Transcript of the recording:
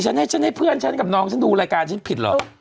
ฉันให้ฉันให้เพื่อนฉันกับน้องฉันดูรายการฉันผิดเหรอ